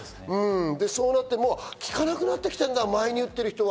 そうなって効かなくなってきてるんだ、前に打ってる人は。